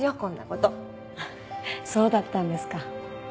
そうだったんですか。